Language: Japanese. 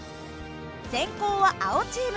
先攻は青チーム。